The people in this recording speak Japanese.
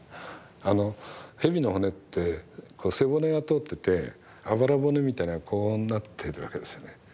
蛇の骨って背骨が通っててあばら骨みたいなのがこうなってるわけですよね。